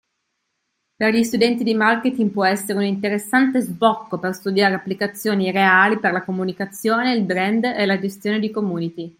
Per gli studenti di marketing può essere un interessante sbocco per studiare applicazioni reali per la comunicazione, il brand, la gestione di community.